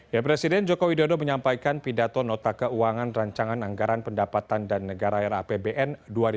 ya presiden joko widodo menyampaikan pidato nota keuangan rancangan anggaran pendapatan dan negara rapbn dua ribu dua puluh